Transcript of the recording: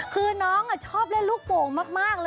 คือน้องชอบเล่นลูกโป่งมากเลย